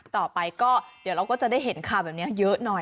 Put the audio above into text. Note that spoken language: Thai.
ต่อไปก็เดี๋ยวเราก็จะได้เห็นข่าวแบบนี้เยอะหน่อย